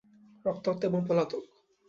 রক্তাক্ত এবং পলাতক।